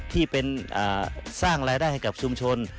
ที่เป็นสร้างรายได้ให้กับชุมชน